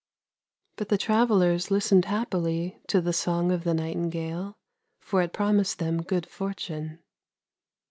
But the travellers listened happily to the song of the nightingale, for it promised them good fortune.